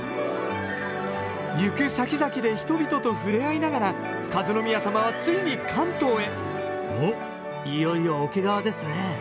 行く先々で人々とふれあいながら和宮さまはついに関東へおいよいよ桶川ですね